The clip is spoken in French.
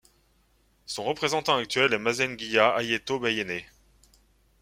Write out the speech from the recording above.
Son représentant actuel est Mazengiya Ayeto Beyene.